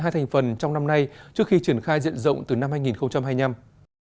hai thành phần trong năm nay trước khi triển khai diện rộng từ năm hai nghìn hai mươi năm